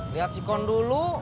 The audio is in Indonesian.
lihat si kon dulu